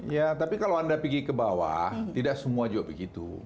ya tapi kalau anda pergi ke bawah tidak semua juga begitu